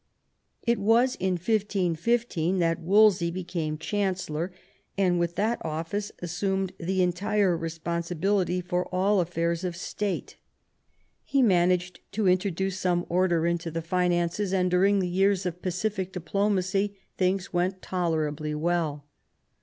It was in 1515 that Wolsey became Chancellor, and with that office assumed the entire responsibility for all affairs of state. He managed to introduce some order into the finances, and during the years of pacific diplomacy things went tolerably well.